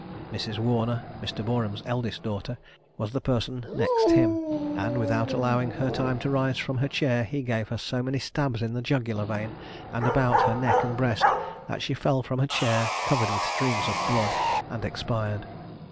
Mrs. Warner, Mr. Boreham's eldest daughter, was the person next him; and, without allowing her time to rise from her chair, he gave her so many stabs in the jugular vein, and about her neck and breast, that she fell from her chair, covered with streams of blood, and expired.